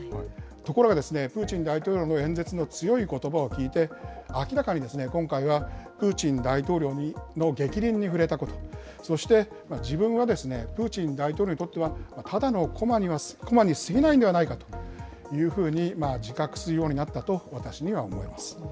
ところがプーチン大統領の演説の強いことばを聞いて、明らかに今回はプーチン大統領のげきりんに触れたこと、そして、自分はプーチン大統領にとってはただの駒にすぎないのではないかというふうに自覚するようになったと私には思えます。